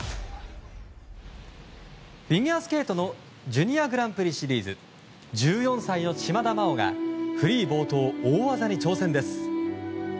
フィギュアスケートのジュニアグランプリシリーズ１４歳の島田麻央がフリー冒頭、大技に挑戦です。